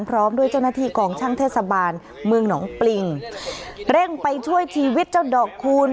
พร้อมด้วยเจ้าหน้าที่กองช่างเทศบาลเมืองหนองปริงเร่งไปช่วยชีวิตเจ้าดอกคูณ